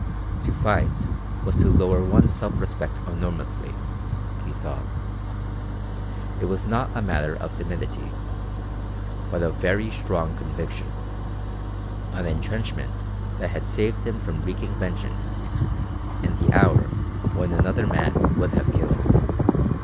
To fight was to lower one's self respect enormously, he thought. It was not a matter of timidity, but of very strong conviction an entrenchment that had saved him from wreaking vengeance in the hour when another man would have killed.